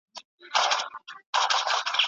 د ژوند نهشو،